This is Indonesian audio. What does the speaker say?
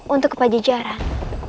untuk ke pajak jalan